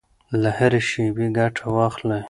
له هرې شېبې ګټه واخلئ.